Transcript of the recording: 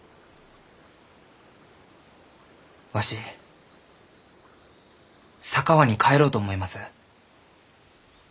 わし佐川に帰ろうと思います。